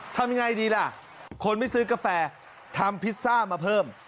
ทำยังไงดีล่ะคนไม่ซื้อกาแฟทำพิซซ่ามาเพิ่ม